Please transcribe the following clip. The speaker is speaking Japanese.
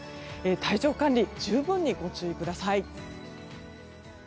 体調管理、十分にご注意ください。